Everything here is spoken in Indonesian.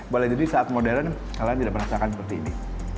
boleh jadi saat modern kalian tidak merasakan seperti ini